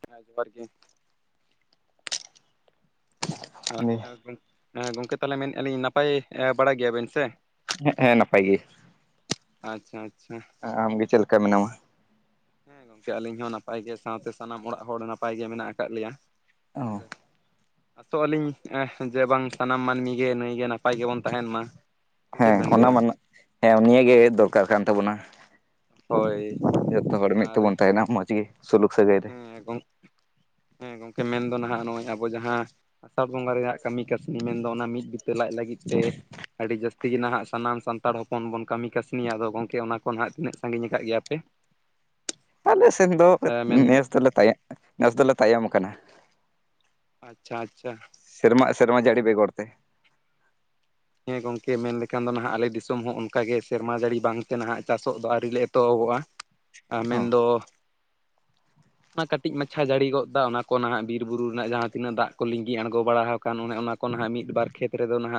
[unintelligible] ᱦᱮᱸ ᱦᱟᱸᱦ ᱟᱸ ᱜᱚᱝᱠᱮ ᱛᱟᱦᱚᱞᱮ ᱢᱮᱱ-ᱮᱜᱟ ᱞᱤᱧ ᱱᱟᱯᱟᱭ ᱵᱟᱲᱟ ᱜᱮᱭᱟᱵᱮᱱ ᱥᱮ? ᱦᱮᱸᱜ ᱮᱸ ᱱᱟᱯᱟᱭ ᱜᱮ᱾ ᱟᱪᱪᱷᱟ-ᱟᱪᱪᱷᱟᱼᱼ ᱟᱢ ᱜᱮ ᱪᱮᱫ ᱞᱮᱠᱟ ᱢᱮᱱᱟᱢᱟ? ᱦᱮᱸ ᱜᱚᱝᱠᱮ ᱟᱹᱞᱤᱧ ᱦᱚᱸ ᱱᱟᱯᱟᱭ ᱜᱮ ᱥᱟᱸᱣᱛᱮ ᱥᱟᱱᱟᱢ ᱚᱲᱟᱜ ᱦᱚᱲ ᱱᱟᱯᱟᱭ ᱜᱮ ᱢᱮᱱᱟᱜ ᱟᱠᱟᱫ ᱞᱮᱭᱟ᱾ ᱟᱨᱼᱮᱼᱼ ᱟᱸᱥᱚᱜ ᱟᱹᱞᱤᱧ ᱡᱮ ᱵᱟᱝ ᱥᱟᱱᱟᱢ ᱢᱟᱹᱱᱢᱤ ᱜᱮ ᱱᱟᱹᱭ ᱜᱮ ᱱᱟᱯᱟᱭ ᱜᱮᱵᱚᱱ ᱛᱟᱦᱮᱸᱱ ᱢᱟ᱾ ᱥᱮ ᱪᱮᱫ ᱦᱮᱸ ᱵᱮᱱ ᱚᱱᱟ ᱞᱟᱹᱭᱟ ᱢᱟ ᱱᱟᱜ ᱦᱮᱸ ᱱᱤᱭᱟᱹ ᱜᱮ ᱫᱚᱨᱠᱟᱨ ᱠᱟᱱ ᱛᱟᱵᱚᱱᱟ᱾ ᱦᱚᱭᱼᱼ ᱡᱷᱚᱛᱚ ᱦᱚᱲ ᱢᱤᱫ ᱛᱮᱵᱚᱱ ᱛᱟᱦᱮᱸᱱᱟ ᱢᱚᱸᱡᱽ ᱜᱮ᱾ ᱥᱩᱞᱩᱠ ᱥᱟᱹᱜᱟᱹᱭ ᱨᱮ ᱦᱮᱸ ᱜᱚᱝ ᱦᱮᱸ ᱜᱚᱝᱠᱮ ᱢᱮᱱᱫᱚ ᱱᱷᱟᱸᱜ ᱱᱚᱜᱼᱚᱭ ᱟᱵᱚ ᱡᱟᱦᱟᱸᱼᱼ ᱟᱥᱟᱲ ᱵᱚᱸᱜᱟ ᱨᱮᱭᱟᱜ ᱠᱟᱹᱢᱤ ᱠᱟᱹᱥᱱᱤ ᱢᱮᱱᱫᱚ ᱚᱱᱟ ᱢᱤᱫ ᱵᱤᱛᱟᱹ ᱞᱟᱡ ᱞᱟᱹᱜᱤᱫ ᱛᱮᱼᱼ ᱟᱹᱰᱤ ᱡᱟᱹᱥᱛᱤ ᱜᱮ ᱱᱷᱟᱸᱜ ᱥᱟᱱᱟᱢ ᱥᱟᱱᱛᱟᱲ ᱦᱚᱯᱚᱱ ᱵᱚᱱ ᱠᱟᱹᱢᱤ ᱠᱟᱹᱥᱱᱤᱭᱟ ᱟᱫᱚ ᱜᱚᱢᱠᱮ ᱚᱱᱟ ᱠᱚ ᱱᱷᱟᱸᱜ ᱛᱤᱱᱟᱹᱜ ᱥᱟᱺᱜᱤᱧ ᱟᱠᱟᱫ ᱜᱮᱭᱟ ᱯᱮ? ᱟᱞᱮ ᱥᱮᱱ ᱫᱚ ᱢᱮᱱ ᱱᱮᱥ ᱫᱚᱞᱮ ᱛᱟᱭᱚᱢ ᱱᱮᱥ ᱫᱚᱞᱮ ᱛᱟᱭᱚᱢ ᱟᱠᱟᱱᱟ᱾ ᱟᱪᱪᱷᱟ-ᱟᱪᱪᱷᱟᱼᱼ ᱥᱮᱨᱢᱟᱜ ᱮ ᱥᱮᱨᱢᱟ ᱡᱟᱹᱲᱤ ᱵᱮᱜᱚᱨ ᱛᱮ, ᱦᱮᱸ ᱜᱚᱝᱠᱮ ᱢᱮᱱ ᱞᱮᱠᱷᱟᱱ ᱫᱚ ᱱᱷᱟᱜ ᱟᱞᱮ ᱫᱤᱥᱚᱢ ᱦᱚᱸ ᱚᱱᱠᱟᱜᱮ ᱥᱮᱨᱢᱟ ᱡᱟᱹᱲᱤ ᱵᱟᱝᱛᱮ ᱱᱟᱦᱟᱜ ᱪᱟᱥᱚᱜ ᱫᱚ ᱟᱹᱣᱨᱤ ᱞᱮ ᱮᱛᱚᱦᱚᱵᱚᱜ-ᱟ᱾ [inaudible] ᱟᱸ ᱢᱮᱱᱫᱚᱼᱼ [inaudible] ᱚᱱᱟ ᱠᱟᱹᱴᱤᱡ ᱢᱟᱪᱷᱟ ᱡᱟᱹᱲᱤ ᱜᱚᱫ ᱫᱟ ᱚᱱᱟ ᱠᱚ ᱱᱟᱸᱜ ᱵᱤᱨ ᱵᱩᱨᱩ ᱨᱮᱱᱟᱜ ᱡᱟᱦᱟᱸ ᱛᱤᱱᱟᱹᱜ ᱫᱟᱜ ᱠᱚ ᱞᱤᱜᱤ ᱟᱬᱜᱚ ᱵᱟᱲᱟ ᱟᱠᱟᱱ ᱚᱱᱮ ᱚᱱᱟᱼᱼ ᱠᱚ ᱱᱷᱟᱸᱜ ᱢᱤᱫ ᱵᱟᱨ ᱠᱷᱮᱛ ᱨᱮᱫᱚ ᱱᱷᱟᱸᱜᱼᱼ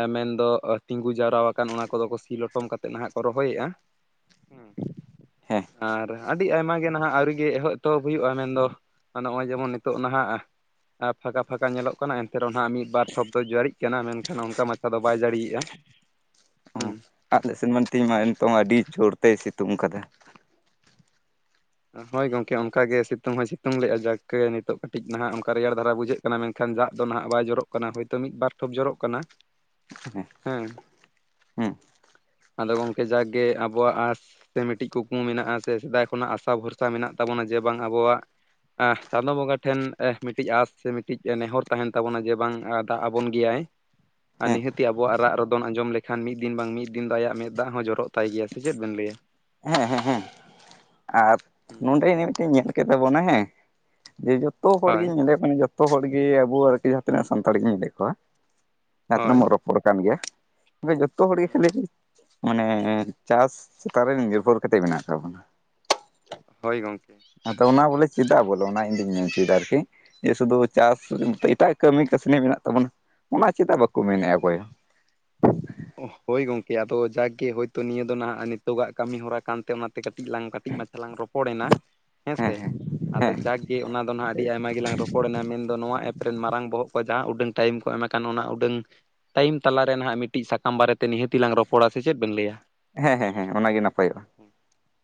ᱮᱸ ᱢᱮᱱᱫᱚ ᱛᱤᱸᱜᱩ ᱡᱟᱣᱨᱟ ᱟᱠᱟᱱ ᱚᱱᱟ ᱠᱚᱫᱚ ᱠᱚ ᱥᱤ ᱞᱚᱴᱚᱢ ᱠᱟᱛᱮᱜ ᱱᱷᱟᱸᱜ ᱠᱚ ᱨᱚᱦᱚᱭ-ᱮᱜᱟ᱾ [inaudible] ᱟᱨ ᱟᱹᱰᱼᱼ ᱟᱹᱰᱤ ᱟᱭᱢᱟ ᱜᱮ ᱱᱷᱟᱸᱜ ᱟᱹᱣᱨᱤ ᱜᱮ ᱮᱦᱚᱵ ᱮᱛᱚᱦᱚᱵ ᱦᱩᱭᱩᱜ-ᱟ, ᱢᱮᱱᱫᱚ ᱱᱚᱜ-ᱚᱭ ᱡᱮᱢᱚᱱ ᱱᱤᱛᱚᱜ ᱱᱟᱦᱟᱸᱜᱼᱼ ᱯᱷᱟᱸᱠᱟ ᱯᱷᱟᱸᱠᱟ ᱧᱮᱞᱚᱜ ᱠᱟᱱᱟ ᱮᱱᱛᱮ ᱨᱮᱦᱚᱸ ᱦᱟᱸᱜ ᱢᱤᱫ ᱵᱟᱨ ᱴᱷᱚᱯᱼᱼ ᱠᱚ ᱡᱟᱹᱲᱤᱜ ᱠᱟᱱᱟ ᱢᱮᱱᱠᱷᱟᱱ ᱚᱱᱠᱟ ᱢᱟᱪᱷᱟ ᱫᱚ ᱵᱟᱭ ᱡᱟᱹᱲᱤᱭᱮᱜ-ᱟ᱾ ᱦᱚᱸ ᱟᱞᱮ ᱥᱮᱱᱢᱟ ᱛᱮᱦᱤᱧ ᱢᱟ ᱱᱤᱛᱚᱝ ᱦᱚᱸ ᱟᱹᱰᱤ ᱡᱳᱨᱛᱮᱭ ᱥᱤᱛᱩᱝ ᱠᱟᱫᱟ᱾ ᱦᱳᱭ ᱜᱚᱝᱠᱮ ᱚᱱᱠᱟᱜᱮ ᱥᱤᱛᱩᱝ ᱦᱚᱸᱭ ᱥᱤᱛᱩᱝ ᱞᱮᱜ-ᱟ ᱡᱟᱠ ᱜᱮ ᱱᱤᱛᱚᱜ ᱠᱟᱹᱴᱤᱡ ᱱᱷᱟᱜ ᱚᱱᱠᱟ ᱨᱮᱭᱟᱲ ᱫᱷᱟᱨᱟ ᱵᱩᱡᱷᱟᱹᱜᱼᱼ ᱠᱟᱱᱟ ᱢᱮᱱᱠᱷᱟᱱ ᱫᱟᱜ ᱫᱚ ᱱᱷᱟᱜ ᱵᱟᱭ ᱡᱚᱨᱚᱜ ᱠᱟᱱᱟ ᱦᱳᱭᱛᱚ ᱢᱤᱫ-ᱵᱟᱨ ᱴᱷᱚᱯ ᱡᱚᱨᱚᱜ ᱠᱟᱱᱟ, [inaudible] ᱦᱮᱸ ᱦᱮᱸ ᱟᱫᱚ ᱜᱚᱝᱠᱮ ᱡᱟᱠ ᱜᱮ ᱟᱵᱚᱣᱟᱜ ᱟᱸᱥ ᱥᱮ ᱢᱤᱫᱴᱤᱡ ᱠᱩᱠᱢᱩ ᱢᱮᱱᱟᱜ-ᱟ ᱥᱮ ᱥᱮᱫᱟᱭ ᱠᱷᱚᱱᱟᱜ ᱟᱥᱼᱼ ᱚᱠᱟ ᱵᱷᱚᱨᱥᱟ ᱢᱮᱱᱟᱜ ᱛᱟᱵᱚᱱᱟ ᱡᱮ ᱵᱟᱝ ᱟᱵᱚᱣᱟᱜᱼᱼ ᱟᱸᱦ ᱪᱟᱸᱫᱳ ᱵᱚᱸᱜᱟ ᱴᱷᱮᱱ ᱢᱤᱫᱴᱤᱡ ᱟᱸᱥ ᱥᱮ ᱢᱤᱫᱴᱤᱡ ᱱᱮᱦᱚᱨ ᱛᱟᱦᱮᱸᱱ ᱛᱟᱵᱚᱱᱟ ᱡᱮ ᱵᱟᱝᱼᱼ ᱫᱟᱜ ᱟᱵᱚᱱ ᱜᱮᱭᱟᱭ, ᱟᱨ ᱦᱮᱸ ᱱᱤᱦᱟᱹᱛᱤ ᱟᱵᱚᱣᱟᱜ ᱨᱟᱜ-ᱨᱚᱫᱚᱱ ᱟᱸᱡᱚᱢ ᱞᱮᱠᱷᱟᱱ ᱢᱤᱫ-ᱫᱤᱱ ᱵᱟᱝ ᱢᱤᱫ-ᱫᱤᱱ ᱫᱚ ᱟᱭᱟᱜ ᱢᱮᱫ ᱫᱟᱜ ᱦᱚᱸ ᱡᱚᱨᱚᱜ ᱛᱟᱭ ᱜᱮᱭᱟ, ᱥᱮ ᱪᱮᱫ ᱵᱮᱱ ᱞᱟᱹᱭᱟᱼᱼ ᱦᱮᱸ-ᱦᱮᱸ-ᱦᱮᱸ ᱱᱚᱸᱰᱮ ᱱᱤᱛ ᱜᱤᱧ ᱧᱮᱞ ᱠᱮᱫ ᱛᱟᱵᱚᱱᱟ ᱦᱮᱸ ᱡᱮ ᱡᱷᱚᱛᱚ ᱦᱚᱲ ᱦᱳᱭ ᱜᱤᱧ ᱧᱮᱞᱮᱫᱼᱼ ᱩᱸ ᱡᱷᱚᱛᱚ ᱦᱚᱲ ᱜᱮ ᱟᱵᱚᱣᱟᱜ ᱟᱨᱠᱤ ᱡᱟᱦᱟᱸ ᱛᱤᱱᱟᱹᱜ ᱥᱟᱱᱛᱟᱲ ᱜᱤᱧ ᱧᱮᱞᱮᱫ ᱠᱚᱣᱟ ᱡᱟᱦᱟᱸ ᱛᱤᱱᱟᱹᱜ ᱦᱳᱭ ᱢᱚᱨᱚᱠᱼᱼ [unintelligible] ᱠᱟᱱ ᱜᱮᱭᱟ ᱡᱚᱛᱚ ᱦᱚᱲ‌ ᱜᱮ ᱠᱷᱟᱹᱞᱤᱼᱼ ᱢᱟᱱᱮ ᱪᱟᱥ ᱪᱮᱛᱟᱱ ᱨᱮ ᱱᱤᱨᱵᱷᱚᱨ ᱠᱟᱛᱮᱜ ᱢᱮᱱᱟᱜ ᱠᱟᱜ ᱵᱚᱱᱟ᱾ ᱦᱳᱭ ᱜᱚᱝᱠᱮ᱾ ᱟᱫᱚ ᱚᱱᱟ ᱵᱚᱞᱮ ᱪᱮᱫᱟᱜ ᱵᱚᱞᱮ ᱚᱱᱟ ᱤᱧᱫᱚᱩᱧ ᱢᱮᱱ ᱚᱪᱚᱭᱮᱫᱟ ᱟᱨᱠᱤ? ᱡᱮ ᱥᱩᱫᱩ ᱪᱟᱥ ᱮᱴᱟᱜ ᱠᱟᱹᱢᱤ ᱠᱟᱹᱥᱱᱤ ᱢᱮᱱᱟᱜ ᱛᱟᱵᱚᱱᱟ ᱚᱱᱟ ᱪᱮᱫᱟᱜ ᱵᱟᱠᱚ ᱢᱮᱱᱮᱫᱼᱟ ᱚᱠᱚᱭ ᱦᱚᱸ᱾ ᱦᱳᱭ ᱜᱚᱝᱠᱮ ᱟᱫᱚ ᱡᱟᱠᱜᱮ ᱦᱳᱭᱛᱳ ᱱᱤᱭᱟᱹ ᱫᱚ ᱱᱟᱦᱟᱜ ᱱᱤᱛᱚᱜ ᱟᱜ ᱠᱟᱹᱢᱤ ᱦᱚᱨᱟ ᱠᱟᱱᱛᱮ ᱚᱱᱟ ᱠᱟᱹᱴᱤᱡ ᱞᱟᱝ ᱠᱟᱹᱴᱤᱡ ᱢᱟᱪᱷᱟ ᱞᱟᱝ ᱨᱚᱯᱚᱲᱮᱱᱟ ᱦᱮᱸ ᱦᱚᱸ ᱥᱮ ᱦᱮᱸ ᱟᱫᱚ ᱦᱮᱸ ᱡᱟᱠ ᱤ ᱚᱱᱟ ᱫᱚ ᱱᱟᱦᱜ ᱟᱹᱰᱤ ᱟᱭᱢᱟ ᱜᱮᱞᱟᱝ ᱨᱚᱯᱚᱲᱮᱱᱟ ᱢᱮᱱᱫᱚ ᱱᱚᱣᱟ ᱮᱯ ᱨᱮᱱ ᱢᱟᱨᱟᱝ ᱵᱚᱦᱚᱜ ᱠᱚ ᱡᱟᱦᱟᱸ ᱩᱰᱟᱹᱝ ᱴᱟᱭᱤᱢ ᱠᱚ ᱮᱢ ᱟᱠᱟᱱ ᱚᱱᱟ ᱩᱰᱟᱹᱝ ᱴᱟᱭᱤᱢ ᱛᱟᱞᱟ ᱨᱮ ᱱᱟᱦᱟᱜ ᱢᱤᱫᱴᱤᱡ ᱥᱟᱠᱟᱢ ᱵᱟᱨᱮ ᱛᱮ ᱱᱤᱦᱟᱹᱛᱤ ᱞᱟᱝ ᱨᱚᱯᱚᱲᱟ ᱥᱮ ᱪᱮᱫ ᱵᱮᱱ ᱞᱟᱹᱭᱟ᱾ ᱦᱮᱸ ᱦᱮᱸ ᱦᱮᱸ ᱚᱱᱟᱜᱮ ᱱᱟᱯᱟᱭᱚᱜᱼᱟ᱾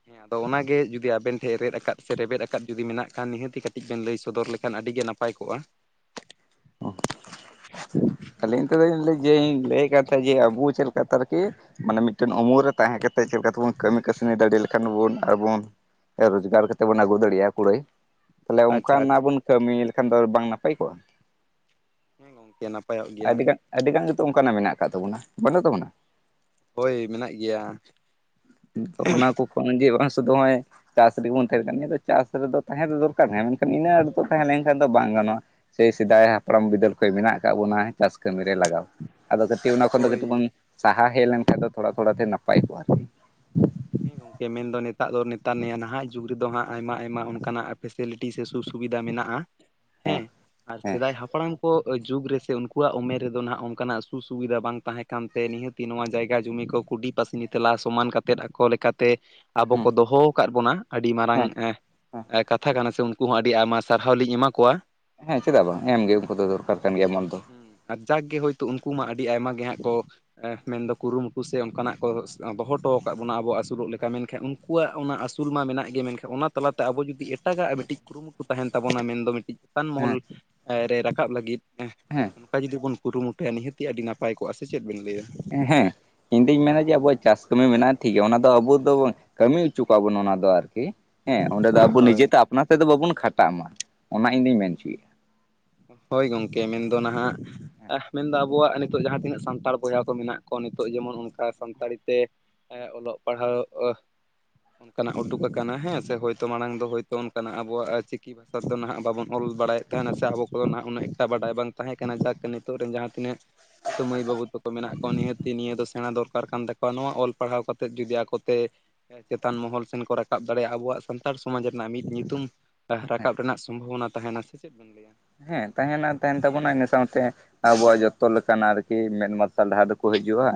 ᱦᱮᱸ ᱟᱫᱚ ᱚᱱᱟ ᱜᱮ ᱡᱩᱫᱤ ᱟᱵᱮᱱ ᱴᱷᱮᱱ ᱨᱮᱫᱫ ᱟᱠᱟᱫ ᱥᱮ ᱨᱮᱵᱮᱫ ᱟᱠᱟᱫ ᱡᱩᱫᱤ ᱢᱮᱱᱟᱜ ᱠᱷᱟᱱ ᱱᱤᱦᱟᱹᱛᱤ ᱠᱟᱹᱴᱤᱡ ᱵᱮᱱ ᱞᱟᱹᱭ ᱥᱚᱫᱚᱨ ᱞᱮᱠᱷᱟᱱ ᱟᱹᱰᱤ ᱜᱮ ᱱᱟᱯᱟᱭ ᱱᱟᱯᱟᱭ ᱠᱚᱜᱼᱟ ᱟᱹᱞᱤᱧ [unintelligible] ᱡᱮ ᱞᱟᱹᱭᱮᱫ ᱠᱟᱱ ᱛᱟᱦᱮᱸᱱᱟ ᱡᱮ ᱟᱵᱚ ᱪᱮᱫᱠᱟ ᱛᱮ ᱟᱨᱠᱤ ᱢᱟᱱᱮ ᱢᱤᱫ ᱴᱮᱱ ᱩᱢᱩᱞ ᱨᱮ ᱛᱟᱦᱮᱸ ᱠᱟᱛᱮᱫ ᱪᱮᱫᱠᱟ ᱛᱮᱵᱚᱱ ᱠᱟᱹᱢᱤ ᱠᱟᱹᱥᱱᱤ ᱫᱟᱲᱮ ᱞᱮᱠᱷᱟᱱ ᱟᱵᱚᱱ ᱨᱳᱡᱽᱜᱟᱨ ᱠᱟᱛᱮ ᱵᱚᱱ ᱟᱹᱜᱩ ᱫᱟᱲᱮᱭᱟᱜᱼᱟ ᱠᱩᱲᱟᱹᱭ ᱛᱟᱞᱮ ᱟᱪᱪᱷᱟ ᱚᱱᱠᱟᱱᱟᱜ ᱟᱪᱪᱷᱟ ᱵᱚᱱ ᱠᱟᱹᱢᱤ ᱞᱮᱠᱷᱟᱱ ᱫᱚ ᱵᱟᱝ ᱱᱟᱯᱟᱭ ᱠᱚᱜᱼᱟ᱾ ᱦᱮᱸ ᱜᱚᱝᱠᱮ ᱱᱟᱯᱟᱭᱼᱚᱜ ᱜᱮᱭᱟ᱾ ᱟᱹᱰᱤ ᱜᱟᱱ ᱜᱮᱛᱚ ᱚᱱᱠᱟᱱᱟᱜ ᱢᱮᱱᱟᱜ ᱟᱠᱟᱫ ᱛᱟᱵᱚᱱᱟ ᱵᱟᱹᱱᱩᱜ ᱛᱟᱵᱚᱱᱟ᱾ ᱦᱳᱭ ᱢᱮᱱᱟᱜ ᱜᱮᱭᱟ᱾ ᱛᱚ [unintelligible] ᱪᱟᱥ ᱨᱮᱜᱮ ᱵᱚᱱ ᱛᱟᱦᱮᱱ ᱠᱟᱱᱟ ᱱᱤᱭᱟᱹ ᱫᱚ ᱪᱟᱥ ᱨᱮᱫᱚ ᱛᱟᱦᱮᱸ ᱫᱚ ᱫᱚᱨᱠᱟᱨ ᱢᱮᱱᱠᱷᱟᱱ ᱤᱱᱟᱹᱜ [unintelligible] ᱫᱚ ᱛᱟᱦᱮᱸ ᱞᱮᱱᱠᱷᱟᱱ ᱫᱚ ᱵᱟᱝ ᱜᱟᱱᱚᱜᱼᱟ᱾ ᱥᱮᱭ ᱥᱮᱫᱟᱭ ᱦᱟᱯᱲᱟᱢ ᱵᱤᱫᱟᱹᱞ ᱠᱷᱚᱱ ᱢᱮᱱᱟᱜ ᱟᱠᱟᱫ ᱵᱚᱱᱟ ᱪᱟᱥ ᱠᱟᱹᱢᱤᱨᱮ ᱞᱟᱜᱟᱣ ᱟᱫᱚ ᱠᱟᱹᱴᱤᱡ ᱚᱱᱟ ᱠᱷᱚᱱ ᱫᱚ ᱠᱟᱹᱴᱤᱡ ᱦᱳᱭ ᱵᱚᱱ᱾ ᱥᱟᱦᱟ ᱦᱮᱡ ᱞᱮᱱᱠᱷᱟᱱ ᱫᱚ ᱛᱷᱚᱲᱟ ᱛᱷᱚᱲᱟ ᱛᱮ ᱱᱟᱯᱟᱭ ᱠᱚᱜᱼᱟ᱾ ᱦᱮᱸ ᱜᱚᱝᱠᱮ ᱢᱮᱱᱫᱚ ᱱᱮᱛᱟ ᱫᱚ ᱱᱮᱛᱟᱨ ᱱᱟᱦᱟᱜ ᱡᱩᱜᱽ ᱨᱮᱫᱚ ᱦᱟᱸᱜ ᱟᱭᱢᱟ ᱟᱭᱢᱟ ᱚᱱᱠᱟᱱᱟᱜ ᱯᱷᱮᱥᱮᱞᱤᱴᱤ ᱥᱮ ᱥᱩ ᱥᱩᱵᱤᱫᱟ ᱢᱮᱱᱟᱜᱼᱟ ᱦᱮᱸ ᱟᱨ ᱦᱮᱸ ᱥᱮᱫᱟᱭ ᱦᱟᱯ ᱦᱟᱯᱲᱟᱢ ᱠᱚ ᱡᱩᱜᱽ ᱨᱮ ᱥᱮ ᱩᱱᱠᱩᱣᱟᱜ ᱩᱢᱮᱨ ᱨᱮᱫᱚ ᱱᱟᱦᱟᱜ ᱚᱱᱠᱟᱱᱟᱜ ᱥᱩ ᱥᱩᱵᱤᱫᱟ ᱵᱟᱝ ᱛᱟᱦᱮᱸ ᱠᱟᱱᱛᱮ ᱱᱤᱦᱟᱹᱛ ᱱᱚᱣᱟ ᱡᱟᱭᱜᱟ ᱡᱩᱢᱤ ᱠᱚ ᱠᱩᱰᱤ ᱯᱟᱹᱥᱱᱤ ᱛᱮᱞᱟ ᱥᱚᱢᱟᱱ ᱠᱟᱛᱮᱫ᱾ ᱠᱚ ᱞᱮᱠᱟᱛᱮ ᱟᱵᱚ ᱦᱮᱸ ᱠᱚ ᱫᱚᱦᱚ ᱟᱠᱟᱫ ᱵᱚᱱᱟ ᱟᱹᱰᱤ ᱢᱟᱨᱟᱝ ᱦᱮᱸ ᱠᱟᱛᱷᱟ ᱠᱟᱱᱟ ᱥᱮ ᱩᱱ ᱦᱚᱸᱚ ᱟᱹᱰᱤ ᱟᱭᱢᱟ ᱥᱟᱨᱦᱟᱣ ᱞᱤᱧ ᱮᱢᱟ ᱠᱚᱣᱟ᱾ ᱦᱮᱸ ᱪᱮᱫᱟᱜ ᱵᱟᱝ ᱮᱢᱜᱮ ᱩᱱᱠᱩ ᱫᱚᱨᱠᱟᱨ ᱠᱟᱱ ᱜᱮᱭᱟ ᱢᱚᱱ ᱫᱚ᱾ ᱦᱩᱸ ᱟᱨ ᱡᱟᱠ ᱜᱮ ᱦᱳᱭ ᱛᱳ ᱩᱱᱠᱩ ᱢᱟ ᱟᱹᱰᱤ ᱟᱭᱢᱟ ᱜᱮ ᱦᱟᱸᱜ ᱠᱚ ᱢᱮᱱ ᱫᱚ ᱠᱩᱨᱩᱢᱩᱴᱩ ᱥᱮ ᱚᱱᱠᱟᱱᱟᱜ ᱠᱚ ᱫᱚᱦᱚ ᱦᱚᱴᱚ ᱟᱠᱟᱜ ᱵᱚᱱᱟ ᱟᱵᱚᱣᱟᱜ ᱟᱹᱥᱩᱞᱚᱜ ᱞᱮᱠᱟ ᱢᱮᱱᱠᱷᱟᱱ ᱩᱱᱠᱩᱣᱟᱜ ᱚᱱᱟ ᱟᱹᱥᱩᱞ ᱢᱟ ᱢᱮᱱᱟᱜ ᱜᱮᱭᱟ ᱢᱮᱱᱠᱷᱟᱱ ᱚᱱᱟ ᱛᱟᱞᱟᱛᱮ ᱟᱵᱚ ᱡᱩᱫᱤ ᱮᱴᱟᱜ ᱢᱤᱫᱴᱤᱡ ᱩᱱ ᱠᱚ ᱛᱟᱦᱮᱱ ᱛᱟᱵᱚᱱᱟ ᱢᱮᱱᱫᱚ ᱢᱤᱫᱴᱤᱡ ᱪᱮᱛᱟᱱ ᱢᱚᱦᱚᱞ ᱦᱮᱸ ᱨᱮ ᱨᱟᱠᱟᱵ ᱞᱟᱹᱜᱤᱫ ᱦᱮᱸ ᱚᱱᱠᱟ ᱡᱩᱫᱤ ᱵᱚᱱ ᱠᱩᱨᱩᱢᱩᱴᱩᱭᱟ ᱱᱤᱦᱟᱹᱛᱤ ᱟᱹᱰᱤ ᱱᱟᱯᱟᱭ ᱠᱚᱜᱼᱟ ᱥᱮ ᱪᱮᱫ ᱵᱤᱱ ᱞᱟᱹᱭᱟ᱾ ᱦᱮᱸ ᱤᱧ ᱫᱩᱧ ᱢᱮᱱᱟᱫᱟ ᱡᱮ ᱟᱵᱚᱣᱟᱜ ᱪᱟᱥ ᱠᱟᱹᱢᱤ ᱢᱮᱱᱟᱜᱼᱟ ᱴᱷᱤᱠ ᱜᱮᱭᱟ ᱚᱱᱟ ᱫᱚ ᱟᱵᱚ ᱫᱚ ᱠᱟᱹᱢᱤ ᱦᱚᱪᱚ ᱠᱚᱣᱟ ᱵᱚᱱ ᱚᱱᱟ ᱫᱚ ᱟᱨᱠᱤ ᱦᱮᱸ ᱚᱸᱰᱮ ᱫᱚ ᱟᱵᱚ ᱱᱤᱡᱮ ᱦᱳᱭ ᱛᱮ ᱚᱱᱟ ᱛᱮᱫᱚ ᱵᱟᱵᱚᱱ ᱠᱷᱟᱴᱟᱜ ᱢᱟ ᱚᱱᱟ ᱤᱧᱫᱚᱧ ᱢᱮᱱ ᱚᱪᱚᱭᱮᱭᱟ᱾ ᱦᱳᱭ ᱜᱚᱝᱠᱮ ᱢᱮᱱ ᱫᱚ ᱱᱟᱦᱟᱜ ᱟᱦ ᱢᱮᱱᱫᱟ ᱟᱵᱚᱣᱟᱜ ᱱᱤᱛᱚᱜ ᱡᱟᱦᱟᱸ ᱛᱤᱱᱟᱹᱜ ᱥᱟᱱᱛᱟᱲ ᱵᱚᱭᱦᱟ ᱠᱚ ᱢᱮᱱᱟᱜ ᱠᱚᱣᱟ ᱱᱤᱛᱚᱜ ᱡᱮᱢᱚᱱ ᱚᱱᱠᱟ ᱥᱟᱱᱛᱟᱲᱤ ᱛᱮ ᱮᱸ ᱚᱞᱚᱜ ᱯᱟᱲᱦᱟᱣ ᱚᱱᱠᱟᱱᱟᱜ ᱩᱰᱩᱠ ᱟᱠᱟᱱᱟ ᱦᱮᱸ ᱥᱮ ᱦᱭᱛᱳ ᱢᱟᱲᱟᱝ ᱫᱚ ᱦᱳᱭᱛᱚ ᱚᱱᱠᱟᱱᱟᱜ ᱟᱵᱚᱣᱟᱜ ᱪᱤᱠᱤ ᱵᱷᱟᱥᱟ ᱫᱚ ᱱᱟᱦᱟᱜ ᱵᱟᱵᱚᱱ ᱚᱞ ᱵᱟᱲᱟᱭᱮᱫ ᱛᱟᱦᱮᱱᱟ ᱥᱮ ᱟᱵᱚ ᱠᱚᱫᱚ ᱱᱟᱦᱟᱜ ᱩᱱᱟᱹ ᱮᱠᱴ ᱵᱟᱰᱟᱭ ᱵᱟᱝ ᱛᱟᱦᱮᱸ ᱠᱟᱱᱟᱱᱟ ᱡᱟᱠ ᱱᱤᱛᱚᱜ ᱨᱮᱱ ᱡᱟᱦᱟᱸ ᱛᱤᱱᱟᱹᱜ ᱢᱟᱹᱭ ᱵᱟᱹᱵᱩ ᱛᱟᱠᱚ ᱢᱮᱱᱟᱜ ᱠᱚᱣᱟ ᱱᱤᱦᱟᱹᱛᱤ ᱱᱤᱭᱟᱹ ᱫᱚ ᱥᱮᱬᱟ ᱫᱚᱨᱠᱟᱨ ᱠᱟᱱ ᱛᱟᱠᱚᱣᱟ ᱱᱚᱣᱟ ᱚᱞ ᱯᱟᱲᱦᱟᱣ ᱠᱟᱛᱮᱫ ᱡᱩᱫᱤ ᱟᱠᱚᱛᱮ ᱪᱮᱛᱟᱱ ᱢᱚᱦᱚᱞ ᱥᱮᱱ ᱠᱚ ᱨᱟᱠᱟᱵ ᱫᱟᱲᱮᱭᱟᱜᱼᱟ ᱟᱵᱚᱣᱟᱜ ᱥᱟᱱᱛᱟᱲ ᱥᱚᱢᱟᱡᱽ ᱨᱮᱱᱟᱜ ᱢᱤᱫ ᱧᱩᱛᱩᱢ ᱦᱮᱸ ᱨᱟᱠᱟᱵ ᱨᱮᱱᱟᱜ ᱥᱚᱢᱵᱷᱚᱵᱚᱱᱟ ᱛᱟᱦᱮᱱᱟ ᱥᱮ ᱪᱮᱫ ᱵᱤᱱ ᱞᱟᱹᱭᱟ ᱦᱮᱸ ᱛᱟᱦᱮᱱᱟ ᱛᱟᱦᱮᱱ ᱛᱟᱵᱚᱱᱟ ᱤᱱᱟᱹ ᱥᱟᱶᱛᱮ ᱟᱵᱚᱣᱟᱜ ᱡᱚᱛᱚ ᱞᱮᱠᱱᱟᱜ ᱟᱨᱠᱤ ᱢᱮᱫ ᱢᱟᱨᱥᱟᱞ ᱰᱟᱦᱟᱨ ᱫᱚᱠᱚ ᱦᱤᱡᱩᱜᱼᱟ,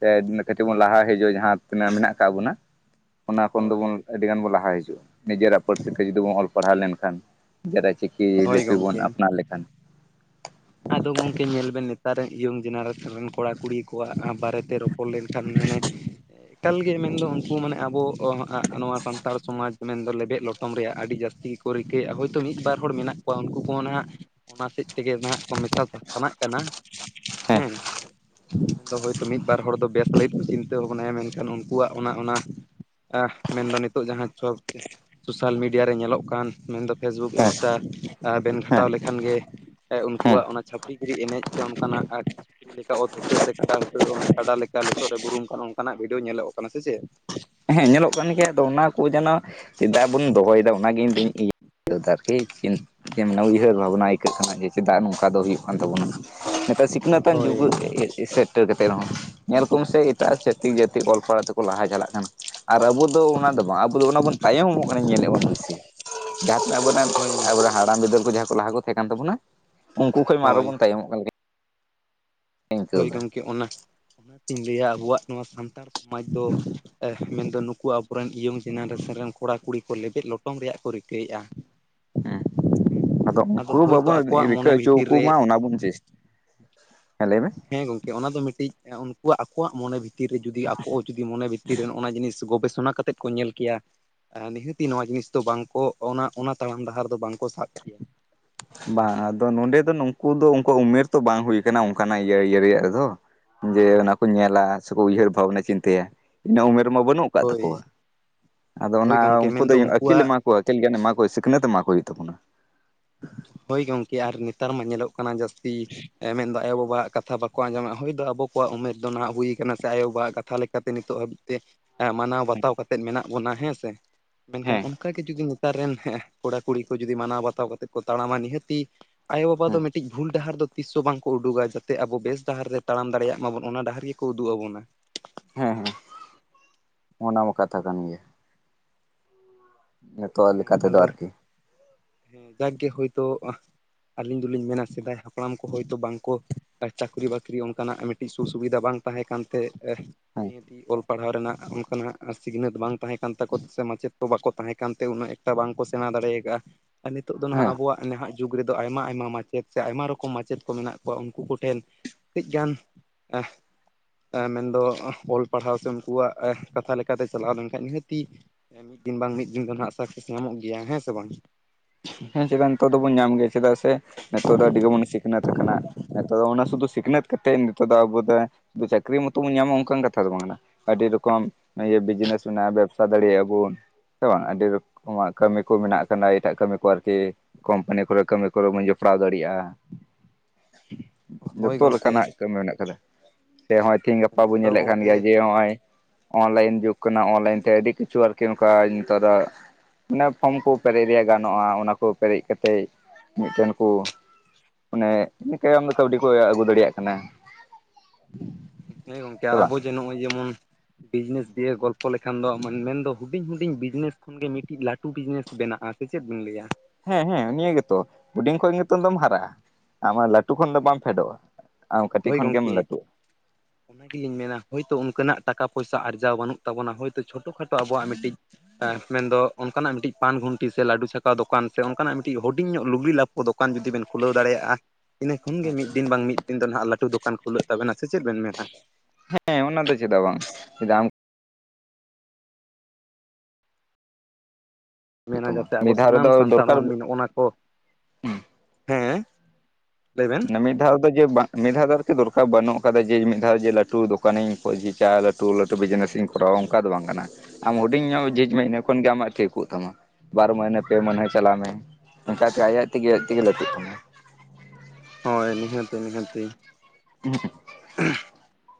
ᱥᱮ ᱠᱟᱹᱴᱤᱡ ᱵᱚᱱ ᱞᱟᱦᱟ ᱦᱤᱡᱩᱜᱼᱟ ᱡᱟᱦᱟᱸ ᱛᱤᱱᱟᱹᱜ ᱢᱮᱱᱟᱜ ᱠᱟᱜ ᱵᱚᱱᱟ ᱚᱱᱟ ᱠᱷᱚᱱ ᱦᱳᱭ ᱫᱚᱵᱚᱱ ᱟᱹᱰᱤ ᱜᱟᱱ ᱵᱚᱱ ᱞᱟᱦᱟ ᱦᱤᱡᱩᱜᱼᱟ, ᱱᱤᱡᱮᱨᱟᱜ ᱯᱟᱹᱨᱥᱤ ᱛᱮ ᱡᱚᱫᱤ ᱵᱚᱱ ᱚᱞ ᱯᱟᱲᱦᱟᱣ ᱞᱮᱱᱠᱷᱟᱱ ᱡᱮᱴᱟ ᱪᱤᱠᱤ ᱦᱳᱭ ᱞᱤᱯᱤ ᱵᱚᱱ ᱜᱚᱢᱠᱮ ᱟᱯᱱᱟᱨ ᱞᱮᱠᱷᱟᱱ ᱟᱫᱚ ᱜᱚᱢᱠᱮ ᱧᱮᱞ ᱵᱮᱱ ᱱᱮᱛᱟᱨ ᱨᱮᱱ ᱤᱭᱚᱝ ᱡᱮᱱᱟᱨᱮᱥᱚᱱ ᱨᱮᱱ ᱠᱚᱲᱟ ᱠᱩᱲᱤ ᱠᱚᱣᱟᱜ ᱟᱸ ᱵᱟᱨᱮᱛᱮ ᱨᱚ ᱯᱚᱲ ᱞᱮᱱᱠᱷᱟᱱ ᱢᱟᱱᱮ ᱮᱠᱟᱞ ᱜᱮ ᱢᱮᱱᱫᱚ ᱩᱱᱠᱩ ᱢᱟᱱᱮ ᱟᱵᱚ ᱟ ᱱᱚᱣᱟ ᱥᱟᱱᱛᱟᱲ ᱥᱚᱢᱟᱡᱽ ᱢᱮᱱᱫᱚ ᱞᱮᱵᱮᱫ ᱞᱚᱴᱚᱢ ᱨᱮᱭᱟᱜ ᱟᱹᱰᱤ ᱡᱟᱹᱥᱛᱤ ᱠᱚ ᱨᱤᱠᱟᱹᱭᱮᱫᱼᱟ ᱦᱚᱭᱛᱚ ᱢᱤᱫ ᱵᱟᱨ ᱦᱚᱲ ᱢᱮᱱᱟᱜ ᱠᱚᱣᱟ ᱩᱱᱠᱩ ᱠᱚᱦᱚᱸ ᱱᱷᱟᱜ ᱚᱱᱟ ᱥᱮᱫ ᱛᱮᱜᱮ ᱱᱟᱦᱟᱜ ᱠᱚ ᱢᱮᱥᱟ ᱥᱟ ᱥᱟᱱᱟᱜ ᱠᱟᱱᱟ ᱦᱮᱸ, ᱢᱮᱱᱫᱚ ᱦᱳᱭᱛᱚ ᱢᱤᱫ ᱵᱟᱨ ᱦᱚᱲ ᱫᱚ ᱵᱮᱥ ᱞᱟᱹᱜᱤᱫ ᱠᱚ ᱪᱤᱱᱛᱟᱹ ᱵᱷᱟᱵᱽᱱᱟᱭᱟ, ᱢᱮᱱᱠᱷᱟᱱ ᱩᱱᱠᱩᱣᱟᱜ ᱚᱱᱟ ᱚᱱᱟ ᱟᱦ ᱢᱮᱱᱫᱚ ᱱᱤᱛᱚᱜ ᱡᱟᱦᱟᱸ ᱪᱚᱠ ᱪᱮ ᱥᱳᱥᱟᱞ ᱢᱤᱰᱤᱭᱟ ᱨᱮ ᱧᱮᱞᱚᱜ ᱠᱟᱱ ᱢᱮᱱᱫᱚ ᱯᱷᱮᱥᱵᱩᱠ ᱦᱮᱸ ᱤᱱᱥᱴᱟ ᱟ ᱵᱮᱱ ᱦᱮᱸ ᱠᱷᱟᱴᱟᱣ ᱞᱮᱠᱷᱟᱱ ᱜᱮ ᱮ ᱦᱮᱸ ᱩᱱᱠᱩᱣᱟᱜ ᱚᱱᱟ ᱪᱷᱟᱹᱯᱲᱤ ᱜᱤᱨᱤ ᱮᱱᱮᱡ ᱥᱮ ᱚᱱᱠᱟᱱᱟᱜ ᱟᱨ ᱥᱩᱠᱨᱤ ᱞᱮᱠᱟ ᱚᱛ ᱩᱴᱟᱹ ᱥᱮ ᱠᱟᱰᱟ ᱦᱩᱴᱟᱹ ᱚᱱ ᱠᱟᱰᱟ ᱞᱮᱠᱟ ᱞᱚᱥᱚᱫ ᱨᱮ ᱵᱩᱨᱩᱢ ᱠᱟᱱᱟ ᱚᱱᱠᱟᱱᱟᱜ ᱵᱷᱤᱰᱭᱳ ᱧᱮᱞᱚᱜ ᱠᱟᱱᱟ ᱥᱮᱪᱮᱫ? ᱦᱮᱸ ᱧᱮᱞᱚᱜ ᱠᱟᱱ ᱜᱮᱭᱟ ᱟᱫᱚ ᱚᱱᱟ ᱠᱚ ᱡᱟᱱᱟᱜ ᱪᱮᱫᱟᱜ ᱵᱚᱱ ᱫᱚᱦᱚᱭᱫᱟ ᱚᱱᱟᱜᱮ ᱤᱧ ᱫᱩᱧ ᱤᱭᱟᱹᱟ ᱟᱨᱠᱤ ᱠᱤᱱ ᱡᱮᱢᱱᱤ ᱩᱭᱦᱟᱹᱨ ᱵᱷᱟᱵᱱᱟᱭ ᱟᱹᱭᱠᱟᱹᱜ ᱠᱟᱱᱟ ᱡᱮ ᱪᱮᱫᱟᱜ ᱱᱚᱝᱠᱟ ᱫᱚ ᱦᱩᱭᱩᱜ ᱠᱟᱱ ᱛᱟᱵᱚᱱᱟ, ᱱᱮᱛᱟᱨ ᱥᱤᱠᱷᱱᱟᱹᱛᱟᱱ ᱡᱩᱜᱽ ᱦᱳᱭ ᱥᱮᱴᱮᱨ ᱠᱟᱛᱮ ᱨᱮᱦᱚᱸ ᱧᱮᱞ ᱠᱚᱢ ᱥᱮ ᱮᱴᱟᱜ ᱪᱷᱟᱹᱛᱤᱠ ᱡᱟᱹᱛᱤ ᱚᱞ ᱯᱟᱲᱦᱟᱣ ᱛᱮᱠᱚ ᱞᱟᱦᱟ ᱪᱟᱞᱟᱜ ᱠᱟᱱᱟ, ᱟᱨ ᱟᱵᱚ ᱫᱚ ᱚᱱᱟ ᱫᱚ ᱵᱟᱝ ᱟᱵᱚ ᱫᱚ ᱚᱱᱟ ᱵᱚᱱ ᱛᱟᱭᱚᱢᱚᱜ ᱠᱟᱱᱟ ᱧᱮᱞᱮᱫ ᱵᱚᱱ ᱵᱮᱥᱤ, ᱡᱟᱦᱟᱸ ᱦᱳᱭ ᱛᱤᱱᱟᱹᱜ ᱦᱟᱲᱟᱢ ᱵᱤᱫᱟᱹᱞ ᱠᱚ ᱡᱟᱦᱟᱸ ᱠᱚ ᱞᱟᱦᱟ ᱠᱚ ᱛᱟᱦᱮᱸ ᱠᱟᱱ ᱛᱟᱵᱚᱱᱟ, ᱩᱱᱠᱩ ᱠᱷᱚᱱ ᱢᱟ ᱟᱨᱦᱚᱸ ᱦᱳᱭ ᱵᱚᱱ ᱛᱟᱭᱚᱢᱚᱜ ᱠᱟᱱ ᱞᱮᱠᱟᱧ ᱦᱳᱭ ᱟᱹᱭᱠᱟᱹᱣ ᱮᱫᱟ ᱜᱚᱢᱠᱮ ᱚᱱᱟ, ᱚᱱᱟᱛᱤᱧ ᱞᱟᱹᱭᱟ ᱟᱵᱚᱣᱟᱜ ᱱᱚᱣᱟ ᱥᱟᱱᱛᱟᱲ ᱥᱚᱢᱟᱡᱽ ᱫᱚ ᱢᱮᱱᱫᱚ ᱱᱩᱠᱩ ᱟᱵᱚᱨᱮᱱ ᱤᱭᱚᱝ ᱡᱮᱱᱟᱨᱮᱥᱮᱱ ᱨᱮᱱ ᱠᱚᱲᱟ ᱠᱩᱲᱤ ᱠᱚ ᱞᱮᱵᱮᱫ ᱞᱚᱴᱚᱢ ᱨᱮᱭᱟᱜ ᱠᱚ ᱨᱤᱠᱟᱹᱭᱮᱜᱼᱟ᱾ ᱦᱮᱸ ᱟᱫᱚ ᱩᱱᱠᱩ ᱦᱳᱭᱛᱳ ᱵᱟᱵᱚᱱ ᱟᱠᱚᱣᱟᱜ ᱨᱤᱠᱟᱹ ᱢᱚᱱᱮ ᱵᱷᱤᱛᱤᱨ ᱦᱚᱪᱚᱣᱟᱠᱩ ᱨᱮ ᱢᱟ ᱚᱱᱟ ᱵᱚᱱ ᱪᱮᱥ ᱦᱮᱸ ᱞᱟᱹᱭ ᱢᱮ᱾ ᱦᱮᱸ ᱜᱚᱝᱠᱮ ᱚᱱᱟ ᱫᱚ ᱢᱤᱫᱴᱤᱡ ᱩᱱᱠᱩᱣᱟᱜ ᱟᱠᱚᱣᱟᱜ ᱢᱚᱱᱮ ᱵᱷᱤᱛᱤᱨ ᱨᱮ ᱡᱩᱫᱤ ᱟᱠᱚ ᱡᱩᱫᱤ ᱢᱚᱱᱮ ᱵᱷᱤᱛᱤᱨ ᱨᱮ ᱚᱱᱟ ᱡᱤᱱᱤᱥ ᱜᱚᱵᱮᱥᱚᱱᱟ ᱠᱟᱛᱮᱫ ᱠᱚ ᱧᱮᱞ ᱠᱮᱭᱟ ᱱᱤᱦᱟᱹᱛᱤ ᱱᱚᱣᱟ ᱡᱤᱱᱤᱥ ᱫᱚ ᱵᱟᱝᱠᱚ ᱚᱱᱟ ᱚᱱᱟ ᱛᱟᱲᱟᱢ ᱰᱟᱦᱟᱨ ᱫᱚ ᱵᱟᱝᱠᱚ ᱥᱟᱵ ᱠᱮᱭᱟ᱾ ᱵᱟᱝ ᱟᱫᱚ ᱱᱚᱰᱮ ᱫᱚ ᱱᱩᱠᱩ ᱫᱚ ᱩᱝᱠᱩ ᱩᱢᱮᱨ ᱛᱚ ᱵᱟᱝ ᱦᱩᱭ ᱠᱟᱱᱟ ᱚᱱᱠᱟᱱᱟᱜ ᱤᱭᱟᱹ ᱤᱭᱟᱹ ᱨᱮᱭᱟᱜ ᱫᱚ, ᱡᱮ ᱚᱱᱟ ᱠᱚ ᱧᱮᱞᱟ ᱥᱮᱠᱚ ᱩᱭᱦᱟᱹᱨ ᱵᱷᱟᱵᱽᱱᱟᱭᱟ ᱪᱤᱱᱛᱟᱹᱭᱟ, ᱤᱱᱟᱹ ᱩᱢᱮᱨ ᱢᱟ ᱵᱟᱹᱱᱩᱜ ᱠᱟᱜ ᱛᱟᱠᱚᱣᱟ, ᱦᱳᱭ ᱟᱫᱚ ᱦᱳᱭ ᱚᱱᱟ ᱜᱚᱝᱠᱮ ᱩᱱᱠᱩ ᱢᱮᱱᱫᱚ ᱫᱚᱧ ᱟᱹᱠᱤᱞ ᱩᱱᱠᱩᱣᱟᱜ ᱮᱢᱟ ᱠᱚᱣᱟ ᱟᱹᱛᱤᱞ ᱜᱮᱭᱟᱱ ᱮᱢᱟᱠᱚ ᱥᱤᱠᱷᱱᱟᱹᱛ ᱮᱢᱟᱠᱚ ᱦᱩᱭᱩᱜ ᱛᱟᱵᱚᱱᱟ᱾ ᱦᱳᱭ ᱜᱚᱝᱠᱮ ᱟᱨ ᱱᱮᱛᱟᱨ ᱢᱟ ᱧᱮᱞᱚᱜ ᱠᱟᱱᱟ ᱡᱟᱹᱥᱛᱤ ᱮ ᱢᱮᱱᱫᱚ ᱟᱭᱳᱼᱵᱟᱵᱟᱣᱟᱜ ᱠᱟᱛᱷᱟ ᱵᱟ ᱠᱚ ᱟᱡᱚᱢᱮᱜᱼᱟ ᱦᱩᱭ ᱫᱚ ᱟᱵᱚ ᱠᱚᱣᱟᱜ ᱩᱢᱮᱨ ᱫᱚ ᱱᱟᱸᱜ ᱦᱩᱭ ᱠᱟᱱᱟ ᱥᱮ ᱟᱭᱳᱼᱵᱟᱵᱟᱣᱟᱜ ᱠᱟᱛᱷᱟ ᱞᱮᱠᱟᱛᱮ ᱱᱤᱛᱚᱜ ᱦᱟᱹᱵᱤᱡ ᱛᱮ ᱮ ᱢᱟᱱᱟᱣ ᱵᱟᱛᱟᱣ ᱠᱟᱛᱮᱫ ᱢᱮᱱᱟᱜ ᱵᱚᱱᱟ ᱦᱮᱸᱥᱮ, ᱢᱮᱱᱠᱷᱟᱱ ᱦᱮᱸ ᱚᱱᱠᱟᱜᱮ ᱡᱩᱫᱤ ᱛᱟᱨ ᱨᱮᱱ ᱦᱮᱸ ᱠᱚᱲᱟ ᱠᱩᱲᱤ ᱠᱚ ᱡᱩᱫᱤ ᱢᱟᱱᱟᱣ ᱵᱟᱛᱟᱣ ᱠᱟᱛᱮᱫ ᱠᱚ ᱛᱟᱲᱟᱢᱟ ᱱᱤᱦᱟᱹᱛᱤ ᱟᱭᱳᱼᱵᱟᱵᱟ ᱫᱚ ᱦᱮᱸ ᱢᱤᱫᱴᱤᱡ ᱵᱷᱩᱞ ᱰᱟᱦᱟᱨ ᱫᱚ ᱛᱤᱥ ᱦᱚᱸ ᱵᱟᱝᱠᱚ ᱩᱸᱰᱩᱜᱟ ᱡᱟᱛᱮ ᱟᱵᱚ ᱵᱮᱥ ᱰᱟᱦᱟᱨ ᱨᱮ ᱛᱟᱲᱟᱢ ᱫᱟᱲᱮᱭᱟᱜ ᱢᱟᱵᱚᱱ ᱚᱱᱟ ᱰᱟᱦᱟᱨ ᱜᱮᱠᱚ ᱩᱫᱩᱜ ᱟᱵᱚᱱᱟ᱾ ᱦᱮᱸ ᱦᱮᱸ, ᱚᱱᱟ ᱢᱟ ᱠᱟᱛᱷᱟ ᱠᱟᱱ ᱜᱮᱭᱟ᱾ ᱱᱤᱛᱚᱜ ᱦᱮᱸ ᱞᱮᱠᱟ ᱛᱮᱫᱚ ᱟᱫᱚ ᱟᱨᱠᱤ ᱦᱮᱸ ᱡᱟᱜᱠᱮ ᱦᱳᱭᱛᱚ ᱟᱹᱞᱤᱧ ᱫᱚᱞᱤᱧ ᱢᱮᱱᱟ ᱥᱮᱫᱟᱭ ᱦᱟᱯᱲᱟᱢ ᱠᱚ ᱦᱳᱭᱛᱚ ᱵᱟᱝᱠᱚ ᱪᱟᱹᱠᱨᱤ ᱵᱟᱹᱠᱨᱤ ᱚᱱᱠᱟᱱᱟᱜ ᱢᱤᱫᱴᱤᱡ ᱥᱩ ᱥᱩᱵᱤᱫᱷᱟ ᱵᱟᱝ ᱛᱟᱦᱮᱸ ᱠᱟᱱᱛᱮ ᱦᱮᱸ ᱱᱤᱭᱟᱹᱛᱤ ᱚᱞ ᱯᱟᱲᱦᱟᱣ ᱨᱮᱱᱟᱜ ᱚᱱᱠᱟᱱᱟᱜ ᱥᱤᱠᱷᱱᱟᱹᱛ ᱵᱟᱝ ᱛᱟᱦᱮᱸ ᱠᱟᱱ ᱛᱟᱠᱚᱣᱟ ᱥᱮ ᱢᱟᱪᱮᱫ ᱫᱚ ᱵᱟᱠᱚ ᱛᱟᱦᱮᱸ ᱠᱟᱱᱛᱮ ᱩᱱᱟᱹᱜ ᱮᱠᱴᱟ ᱵᱟᱝ ᱠᱚ ᱥᱮᱬᱟ ᱫᱟᱲᱮᱭᱟᱠᱟᱜᱼᱟ, ᱟᱨ ᱱᱤᱛᱚᱜ ᱫᱚ ᱱᱷᱟᱜ ᱦᱮᱸ ᱟᱵᱚᱣᱟᱜ ᱱᱟᱦᱟᱜ ᱡᱩᱜᱽ ᱨᱮᱫᱚ ᱟᱭᱢᱟᱼᱟᱭᱢᱟ ᱢᱟᱪᱮᱫ ᱥᱮ ᱟᱭᱢᱟ ᱨᱚᱠᱚᱢ ᱢᱟᱪᱮᱫ ᱠᱚ ᱢᱮᱱᱟᱜ ᱠᱚᱣᱟ, ᱩᱱᱠᱩ ᱠᱚᱴᱷᱮᱱ ᱠᱟᱹᱡ ᱜᱟᱱ, ᱢᱮᱱᱫᱚ ᱚᱞ ᱯᱟᱲᱦᱟᱣ ᱥᱮ ᱩᱱᱠᱩᱣᱟᱜ ᱠᱟᱛᱷᱟ ᱞᱮᱠᱟᱛᱮ ᱪᱟᱞᱟᱣ ᱞᱮᱱᱠᱷᱟᱱ ᱱᱤᱦᱟᱹᱛᱤ ᱮ ᱢᱤᱫ ᱫᱤᱱ ᱵᱟᱝ ᱢᱤᱫ ᱫᱤᱱ ᱫᱚ ᱦᱟᱜ ᱥᱟᱠᱥᱮᱥ ᱧᱟᱢᱚᱜ ᱜᱮᱭᱟ ᱦᱮᱸ ᱥᱮ ᱵᱟᱝ ᱦᱮᱸ ᱪᱮᱠᱟ ᱱᱤᱛᱚᱜ ᱫᱚᱵᱚᱱ ᱧᱟᱢ ᱜᱮᱭᱟ ᱪᱮᱫᱟᱜ ᱥᱮ ᱱᱤᱛᱚᱜ ᱫᱚ ᱟᱹᱰᱤ ᱜᱮᱵᱚᱱ ᱥᱤᱠᱷᱱᱟᱹᱛ ᱟᱠᱟᱱᱟ ᱱᱤᱛᱚᱜ ᱫᱚ ᱚᱱᱟ ᱥᱩᱫᱷᱩ ᱥᱤᱠᱷᱱᱟᱹᱛ ᱠᱟᱛᱮᱫ ᱱᱤᱛᱚᱜ ᱫᱚ ᱟᱵᱚ ᱫᱚ ᱪᱟᱹᱠᱨᱤ ᱢᱚᱛᱚ ᱵᱚᱱ ᱧᱟᱢᱟ ᱚᱱᱠᱟᱱ ᱠᱟᱛᱷᱟ ᱫᱚ ᱵᱟᱝ ᱠᱟᱱᱟ᱾ ᱟᱹᱰᱤ ᱨᱚᱠᱚᱢ ᱵᱤᱡᱽᱱᱮᱥ ᱢᱮᱱᱟᱜ-ᱟ ᱵᱮᱵᱥᱟ ᱫᱟᱲᱮᱭᱟᱜ-ᱟ ᱵᱚᱱ ᱥᱮ ᱵᱟᱝ ᱟᱹᱰᱤ ᱨᱚᱠᱚᱢᱟᱜ ᱠᱟᱹᱢᱤ ᱠᱚ ᱢᱮᱱᱟᱜ ᱠᱟᱫᱟ ᱮᱴᱟᱜ ᱠᱟᱹᱢᱤ ᱠᱚ ᱟᱨᱠᱤ ᱠᱳᱢᱯᱟᱱᱤ ᱠᱚᱨᱮ ᱠᱟᱹᱢᱤ ᱠᱚᱨᱮ ᱵᱚᱱ ᱡᱚᱯᱲᱟᱣ ᱫᱟᱲᱮᱭᱟᱜ-ᱟ᱾ ᱦᱳᱭ ᱡᱚᱛᱚ ᱜᱚᱝᱠᱮ ᱞᱮᱠᱟᱱᱟᱜ ᱠᱟᱹᱢᱤ ᱢᱮᱱᱟᱜ ᱠᱟᱫᱟ ᱥᱮ ᱛᱮᱦᱤᱧ ᱜᱟᱯᱟ ᱵᱚᱱ ᱢᱮᱱᱫᱚ ᱧᱮᱞᱮᱫ ᱠᱟᱱ ᱜᱚᱝᱠᱮ ᱜᱮᱭᱟ ᱡᱮ ᱱᱚᱜ-ᱚᱭ ᱚᱱᱞᱟᱭᱤᱱ ᱡᱩᱜᱽ ᱠᱟᱱᱟ ᱚᱱᱞᱟᱭᱤᱱ ᱛᱮ ᱟᱹᱰᱤ ᱠᱤᱪᱷᱩ ᱟᱨᱠᱤ ᱱᱚᱝᱠᱟ ᱱᱮᱛᱟᱨᱟᱜ ᱢᱟᱱᱮ ᱯᱷᱨᱚᱢ ᱠᱚ ᱯᱮᱨᱮᱡ ᱨᱮᱭᱟᱜ ᱜᱟᱱᱚᱜ-ᱟ ᱚᱱᱟ ᱠᱚ ᱯᱮᱨᱮᱡ ᱠᱟᱛᱮᱫ ᱢᱤᱫᱴᱮᱱ ᱠᱩ ᱢᱟᱱᱮ ᱠᱟᱹᱣᱰᱤ ᱠᱚ ᱟᱹᱜᱩ ᱫᱟᱲᱮᱭᱟᱜ ᱠᱟᱱᱟ᱾ ᱦᱮᱸ ᱜᱚᱢᱠᱮ ᱥᱮ ᱟᱨ ᱵᱟᱝ ᱟᱵᱚ ᱡᱮ ᱱᱚᱜ-ᱚᱭ ᱡᱮᱢᱚᱱ ᱵᱤᱡᱽᱱᱮᱥ ᱫᱤᱭᱮ ᱜᱚᱞᱯᱚ ᱞᱮᱠᱷᱟᱱ ᱫᱚ ᱢᱮᱱᱫᱚ ᱦᱩᱰᱤᱧ ᱦᱩᱰᱤᱧ ᱵᱤᱡᱽᱱᱮᱥ ᱠᱷᱚᱱ ᱜᱮ ᱢᱤᱫᱴᱤᱡ ᱞᱟᱹᱴᱩ ᱵᱤᱡᱽᱱᱮᱥ ᱵᱮᱱᱟᱜ-ᱟ ᱥᱮ ᱪᱮᱫ ᱵᱤᱱ ᱞᱟᱹᱭ ᱟ᱾ ᱦᱮᱸ ᱦᱮᱸ ᱱᱤᱭᱟᱹ ᱜᱮᱛᱚ ᱦᱩᱰᱤᱧ ᱠᱷᱚᱱ ᱜᱮ ᱱᱤᱛᱚᱝ ᱫᱚᱢ ᱦᱟᱨᱟᱜ-ᱟ ᱟᱢᱟᱜ ᱞᱟᱹᱴᱩ ᱠᱷᱚᱱ ᱫᱚ ᱦᱳᱭ ᱵᱟᱢ ᱯᱷᱮᱰᱚᱜ-ᱟ᱾ ᱦᱳᱭ ᱜᱚᱢᱠᱮ ᱚᱱᱟ ᱜᱮᱞᱤᱧ ᱢᱮᱱᱟ ᱦᱳᱭᱛᱳ ᱚᱱᱠᱟᱱᱟᱜ ᱴᱟᱠᱟ ᱯᱚᱭᱥᱟ ᱟᱨᱟᱣ ᱵᱟᱹᱱᱩᱜ ᱛᱟᱵᱚᱱᱟ ᱦᱳᱭᱛᱳ ᱪᱷᱳᱴᱳ ᱠᱷᱟᱴᱳ ᱟᱚᱴᱣᱟᱜ ᱢᱤᱫᱴᱤᱡ ᱢᱮᱱᱫᱚ ᱚᱱᱠᱟᱱᱟᱜ ᱢᱤᱫᱴᱤᱡ ᱯᱟᱱ ᱜᱷᱩᱱᱴᱤ ᱥᱮ ᱞᱟᱹᱰᱩ ᱪᱷᱟᱠᱟᱣ ᱫᱚᱠᱟᱱ ᱥᱮ ᱚᱱᱠᱟᱱᱟᱜ ᱢᱤᱫᱴᱤᱡ ᱦᱩᱰᱤᱧ ᱧᱚᱜ ᱞᱩᱜᱽᱲᱤ ᱞᱟᱯ ᱫᱚᱠᱟᱱ ᱡᱩᱫᱤ ᱵᱮᱱ ᱠᱷᱩᱞᱟᱹᱣ ᱫᱟᱲᱮᱭᱟᱜ-ᱟ᱾ ᱤᱱᱟᱹ ᱠᱷᱚᱱ ᱜᱮ ᱢᱤᱫ ᱫᱤᱱ ᱵᱟᱝ ᱢᱤᱫ ᱫᱤᱱ ᱫᱚ ᱦᱟᱸᱜ ᱞᱟᱹᱴᱩ ᱫᱚᱠᱟᱱ ᱠᱷᱩᱞᱟᱹᱜ ᱛᱟᱵᱮᱱᱟ ᱥᱮ ᱪᱮᱫ ᱵᱮᱱ ᱢᱮᱱᱟ ᱦᱮᱸ ᱚᱱᱟ ᱫᱚ ᱪᱮᱫᱟᱜ ᱵᱟᱝ ᱦᱩᱭᱩᱜ ᱢᱮᱱᱟ ᱛᱟᱢᱟ ᱡᱟᱛᱮ ᱟᱵᱚ ᱢᱤᱫ ᱫᱷᱟᱣ ᱥᱟᱱᱟᱢ ᱨᱮᱫᱚ ᱥᱟᱱᱛᱟᱲ ᱫᱚᱨᱠᱟᱨ ᱢᱟᱹᱱᱢᱤ ᱱᱚᱜ-ᱚᱱᱟ ᱠᱚ, ᱦᱮᱸ ᱞᱟᱹᱭ ᱵᱮᱱ ᱢᱤᱫ ᱫᱷᱟᱣ ᱫᱚ ᱡᱮ ᱵᱟᱝ ᱢᱤᱫ ᱫᱷᱟᱣ ᱫᱚ ᱟᱨᱠᱤ ᱫᱚᱨᱠᱟᱨ ᱵᱟᱹᱱᱩᱜ ᱟᱠᱟᱫᱟ ᱡᱮ ᱢᱤᱫ ᱫᱷᱟᱣ ᱡᱮ ᱞᱟᱹᱴᱩ ᱫᱚᱠᱟᱱᱤᱧ ᱚᱠᱚᱭ ᱡᱮ ᱪᱟ [inaudible] ᱞᱟᱹᱴᱩ ᱞᱟᱹᱴᱩ ᱵᱤᱡᱽᱱᱮᱥᱤᱧ ᱠᱚᱨᱟᱣᱟ ᱚᱱᱠᱟ ᱫᱚ ᱵᱟᱝ ᱠᱟᱱᱟ ᱟᱢ ᱦᱩᱰᱤᱧ ᱧᱚᱜ ᱡᱷᱤᱡ ᱢᱮ ᱤᱱᱟᱹ ᱠᱷᱚᱱ ᱜᱮ ᱟᱢᱟᱜ ᱴᱷᱤᱠᱚᱜ ᱛᱟᱢᱟ ᱵᱟᱨ ᱢᱟᱹᱦᱱᱟᱹ ᱯᱮ ᱢᱟᱹᱦᱱᱟᱹ ᱪᱟᱞᱟᱣ ᱢᱮ ᱚᱱᱠᱟᱛᱮ ᱟᱡ ᱛᱮ ᱜᱮ ᱟᱡ ᱛᱮ ᱜᱮ ᱞᱟᱹᱴᱩᱜ ᱛᱟᱢᱟ᱾ ᱦᱳᱭ ᱱᱤᱦᱟᱹᱛ ᱱᱤᱦᱟᱹᱛ ᱦᱮ [unintelligible]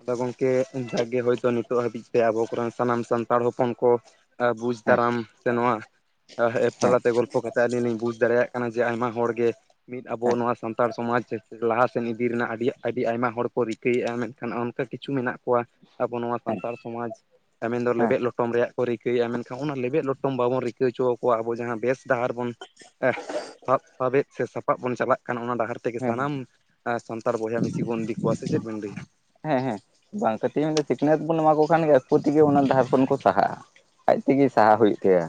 ᱟᱫᱟ ᱜᱚᱢᱠᱮ ᱚᱱᱠᱟᱜᱮ ᱦᱳᱭᱛᱳ ᱱᱤᱛᱚᱜ ᱦᱟᱹᱵᱤᱡ ᱛᱮ ᱟᱵᱚ ᱠᱚᱨᱮᱱ ᱥᱟᱱᱟᱢ ᱥᱟᱱᱛᱟᱲ ᱦᱚᱯᱚᱱ ᱠᱚ ᱵᱩᱡᱽ ᱦᱮᱸ ᱫᱟᱨᱟᱢ ᱥᱮ ᱱᱚᱣᱟ ᱮᱯ ᱦᱮᱸ ᱛᱟᱞᱟᱛᱮ ᱜᱚᱞᱯᱷᱚ ᱠᱟᱛᱮ ᱟᱹᱞᱤᱧ ᱞᱤᱧ ᱵᱩᱡᱽ ᱫᱟᱲᱮᱭᱟᱜ ᱠᱟᱱᱟ᱾ ᱡᱮ ᱟᱭᱢᱟ ᱦᱚᱲᱜᱮ ᱢᱤᱫ ᱟᱵᱚ ᱦᱮᱸ ᱱᱚᱣᱟ ᱥᱟᱱᱛᱟᱲ ᱥᱚᱢᱟᱡᱽ ᱞᱟᱦᱟ ᱥᱮᱫ ᱤᱫᱤ ᱨᱮᱱᱟᱜ ᱟᱹᱰᱤ ᱟᱹᱰᱤ ᱟᱭᱢᱟ ᱦᱚᱲ ᱠᱚ ᱨᱤᱠᱟᱹᱭᱮᱫ-ᱟ ᱢᱮᱱᱠᱷᱟᱱ ᱚᱱᱠᱟ ᱠᱤᱪᱷᱩ ᱢᱮᱱᱟᱜ ᱠᱚᱣᱟ ᱟᱵᱚ ᱱᱚᱣᱟ ᱦᱮᱸ ᱥᱟᱱᱛᱟᱲ ᱥᱚᱢᱟᱡᱽ ᱢᱮᱱᱫᱚ ᱦᱮᱸ ᱞᱮᱵᱮᱫ ᱞᱚᱴᱚᱢ ᱨᱮᱭᱟᱜ, ᱠᱚ ᱨᱤᱠᱟᱹᱭᱮᱫ-ᱟ ᱢᱮᱱᱠᱷᱟᱱ ᱚᱱᱟ ᱞᱮᱵᱮᱫ ᱞᱚᱴᱚᱢ ᱵᱟᱵᱚᱱ ᱨᱤᱠᱟᱹ ᱦᱚᱪᱚ ᱟᱠᱚᱣᱟ ᱟᱵᱚ ᱡᱟᱦᱟᱸ ᱵᱮᱥ ᱰᱟᱦᱟᱨ ᱵᱚᱱ ᱥᱟᱵ ᱥᱟᱵᱮᱫ ᱥᱮ ᱥᱟᱯᱟᱵ ᱵᱚᱱ ᱪᱟᱞᱟᱜ ᱠᱟᱱᱟ ᱚᱱᱟ ᱰᱟᱦᱟᱨ ᱛᱮᱜᱮ ᱦᱮᱸ ᱥᱟᱱᱟᱢ ᱥᱟᱱᱛᱟᱲ ᱵᱚᱭᱦᱟ ᱢᱤᱥᱤ ᱵᱚᱱ ᱤᱫᱤ ᱠᱚᱣᱟ ᱥᱮ ᱪᱮᱫ ᱵᱮᱱ ᱞᱟᱹᱭ ᱟ᱾ ᱦᱮᱸ ᱦᱮᱸ ᱵᱟᱝ ᱠᱟᱹᱴᱤᱡ ᱥᱤᱠᱷᱱᱟᱹᱛ ᱵᱚᱱ ᱮᱢᱟ ᱟᱠᱚ ᱠᱷᱟᱱ ᱜᱮ ᱟᱠᱚ ᱛᱮᱜᱮ ᱚᱱᱟ ᱰᱟᱦᱟᱨ ᱠᱷᱚᱱ ᱠᱚ ᱥᱟᱦᱟᱜ-ᱟ᱾ ᱟᱡᱛᱮᱜᱮ ᱥᱟᱦᱟᱜ ᱦᱳᱭ ᱦᱩᱭᱩᱜ ᱛᱟᱭᱟ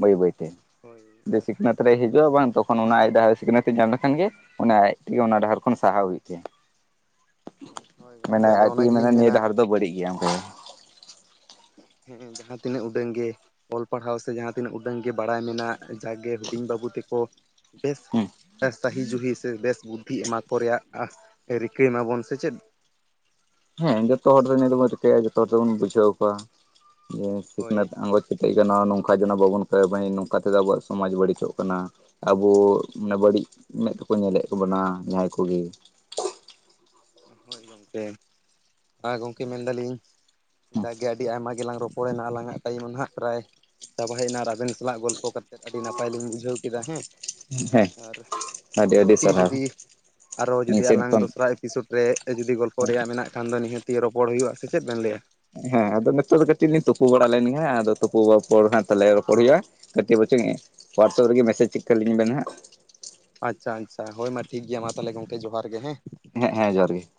ᱵᱟᱹᱭ ᱵᱟᱹᱭᱛᱮ ᱦᱳᱭ ᱡᱮ ᱟᱨ ᱥᱤᱠᱷᱱᱟᱹᱛ ᱨᱮᱭ ᱦᱤᱡᱩᱜ-ᱟ ᱵᱟᱝ ᱛᱚᱠᱷᱚᱱ ᱚᱱᱟ ᱟᱭ ᱥᱤᱠᱷᱱᱟᱹᱛ ᱧᱟᱢ ᱞᱮᱠᱷᱟᱱ ᱜᱮ ᱚᱱᱟ ᱟᱡ ᱛᱮᱜᱮ ᱚᱱᱟ ᱰᱟᱦᱟᱨ ᱠᱷᱚᱱ ᱥᱟᱦᱟᱣ ᱦᱩᱭᱩᱜ ᱛᱟᱭᱟ᱾ ᱦᱳᱭ ᱜᱚᱝᱠᱮ ᱢᱟᱱᱮ ᱟᱡ ᱟᱫᱚ ᱚᱱᱟ ᱛᱮᱜᱮ ᱢᱮᱱᱟ ᱜᱮᱞᱤᱧ ᱱᱤᱭᱟᱹ ᱰᱟᱦᱟᱨ ᱫᱚ ᱵᱟᱹᱲᱤᱡ ᱜᱮᱭᱟ᱾ ᱦᱮᱸ ᱡᱟᱦᱟᱸ ᱛᱤᱱᱟᱹᱜ ᱩᱰᱟᱹᱝ ᱜᱮ ᱚᱞ ᱯᱟᱲᱦᱟᱣ ᱥᱮ ᱡᱟᱦᱟᱸ ᱛᱤᱱᱟᱹᱜ ᱩᱰᱟᱹᱝ ᱜᱮ ᱵᱟᱲᱟᱭ ᱢᱮᱱᱟᱜ ᱡᱟᱜᱮ ᱦᱩᱰᱤᱧ ᱵᱟᱹᱵᱩ ᱛᱮᱠᱚ ᱵᱮᱥ ᱦᱮᱸ ᱥᱟᱦᱤ ᱡᱩᱦᱤ ᱥᱮ ᱵᱮᱥ ᱵᱩᱫᱽᱫᱷᱤ ᱮᱢᱟ ᱠᱚ ᱨᱮᱭᱟᱜ ᱨᱤᱠᱟᱹᱭ ᱢᱟᱵᱚᱱ ᱥᱮ ᱪᱮᱫ? ᱦᱮᱸ ᱡᱚᱛᱚ ᱦᱚᱲ ᱫᱚ ᱱᱤᱭᱟᱹ ᱫᱚᱵᱚᱱ ᱨᱤᱠᱟᱹᱭᱟ ᱡᱚᱛᱚ ᱦᱚᱲ ᱫᱚᱵᱚᱱ ᱵᱩᱡᱷᱟᱹᱣ ᱠᱚᱣᱟ ᱡᱮ ᱥᱤᱠᱷᱱᱟᱹᱛ ᱦᱳᱭ ᱟᱸᱜᱚᱪ ᱠᱮᱴᱮᱡ ᱠᱟᱱᱟ ᱱᱚᱝᱠᱟ ᱡᱱᱮ ᱵᱟᱵᱚᱱ ᱠ [inaudible] ᱱᱚᱝᱠᱟ ᱛᱮᱫᱚ ᱟᱵᱚᱣᱟᱜ ᱥᱚᱢᱟᱡᱽ ᱵᱟᱹᱲᱤᱡᱚᱜ ᱠᱟᱱᱟ᱾ ᱟᱵᱚ ᱢᱟᱱᱮ ᱵᱟᱹᱲᱤᱡ ᱢᱮᱫ ᱛᱮᱠᱚ ᱧᱮᱞᱮᱫ ᱠᱚ ᱵᱚᱱᱟ ᱡᱟᱦᱟᱸᱭ ᱠᱚᱜᱮ᱾ ᱦᱳᱭ ᱜᱚᱢᱠᱮ ᱟᱨ ᱜᱚᱢᱠᱮ ᱢᱮᱱ ᱮᱫᱟᱞᱤᱧ ᱡᱟᱜᱮ ᱟᱹᱰᱤ ᱟᱭᱢᱟ ᱜᱮᱞᱟᱝ ᱨᱚᱯᱚᱲᱮᱱᱟ ᱟᱞᱟᱝᱼᱟᱜ ᱴᱟᱭᱤᱢ ᱱᱟᱦᱟᱜ ᱯᱨᱟᱭ ᱪᱟᱵᱟ ᱦᱮᱡ ᱮᱱᱟ ᱟᱨ ᱟᱵᱤᱱ ᱥᱟᱞᱟᱜ ᱜᱚᱞᱯᱚ ᱠᱟᱛᱮᱫ ᱟᱹᱰᱤ ᱱᱟᱯᱟᱭ ᱞᱤᱧ ᱵᱩᱡᱟᱹᱣ ᱠᱮᱫᱟ ᱦᱮᱸ᱾ ᱦᱮᱸ ᱟᱨ ᱟᱹᱰᱤ ᱟᱹᱰᱤ ᱱᱤᱦᱟᱹᱛ ᱥᱟᱨᱦᱟᱣ ᱡᱩᱫᱤ ᱟᱨᱚ ᱟᱹᱞᱤᱧ ᱡᱩᱫᱤ ᱥᱮᱱ ᱟᱞᱟᱝ ᱠᱷᱚᱱ ᱫᱚᱥᱨᱟ [inaudible] ᱨᱮ ᱡᱩᱫᱤ ᱜᱚᱞᱯᱚ ᱨᱮᱭᱟᱜ ᱢᱮᱱᱟᱜ ᱠᱷᱟᱱ ᱫᱚ ᱱᱤᱦᱟᱹᱛᱤ ᱜᱮ ᱨᱚᱯᱚᱲ ᱦᱩᱭᱩᱜᱼᱟ ᱥᱮ ᱪᱮᱫ ᱵᱮᱱ ᱞᱟᱹᱭᱟ? ᱦᱮᱸ ᱟᱫᱚ ᱱᱤᱛᱚᱜ ᱫᱚ ᱠᱟᱹᱴᱤᱡ ᱞᱤᱧ ᱛᱩᱯᱩ ᱵᱟᱲᱟ ᱞᱮᱱ ᱜᱮ ᱟᱫᱚ ᱛᱩᱯᱩ ᱯᱚᱨ ᱦᱟᱸᱜ ᱛᱟᱦᱚᱞᱮ ᱨᱚᱯᱚᱲ ᱦᱩᱭᱩᱜᱼᱟ᱾ ᱠᱟᱹᱴᱤᱡ ᱵᱚᱪᱝᱜᱮ ᱦᱳᱣᱟᱴᱥᱮᱯ ᱨᱮᱜᱮ ᱢᱮᱥᱮᱡᱽ ᱪᱮᱠ ᱛᱟᱞᱤᱧ ᱵᱮᱱ ᱦᱟᱜ᱾ ᱟᱪᱪᱷᱟ ᱟᱪᱪᱷᱟ ᱦᱳᱭ ᱢᱟ ᱴᱷᱤᱠ ᱜᱮᱭᱟ ᱢᱟ ᱛᱟᱦᱚᱞᱮ ᱜᱚᱢᱠᱮ ᱡᱚᱦᱟᱨ ᱜᱮ ᱦᱮᱸ᱾ ᱦᱮᱸ ᱦᱮᱸ ᱡᱚᱦᱟᱨ ᱜᱮ ᱾